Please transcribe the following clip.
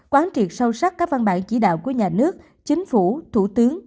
quán triệt sâu sắc các văn bản chỉ đạo của nhà nước chính phủ thủ tướng